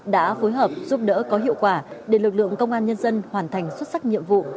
đã phối hợp giúp đỡ có hiệu quả để lực lượng công an nhân dân hoàn thành xuất sắc nhiệm vụ